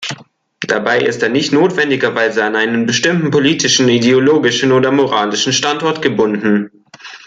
Dabei ist er nicht notwendigerweise an einen bestimmten politischen, ideologischen oder moralischen Standort gebunden.